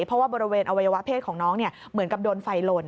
เพราะว่าบริเวณอวัยวะเพศของน้องเหมือนกับโดนไฟหล่น